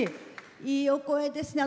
いいお声ですね。